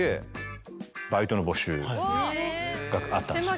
があったんですよ。